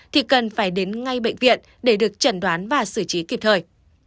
thì cần phải đến ngay bệnh viện để được chẩn đoán và xử trí kịp thời